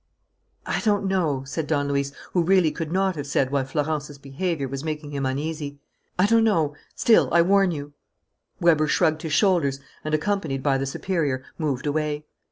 "I don't know," said Don Luis, who really could not have said why Florence's behaviour was making him uneasy. "I don't know. Still, I warn you " Weber shrugged his shoulders and, accompanied by the superior, moved away.